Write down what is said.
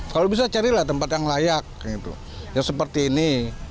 kalau bisa carilah tempat yang layak yang seperti ini